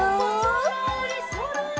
「そろーりそろり」